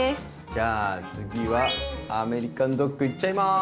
じゃあ次はアメリカンドッグいっちゃいます！